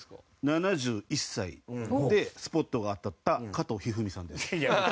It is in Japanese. ７１歳でスポットが当たった加藤一二三さんです。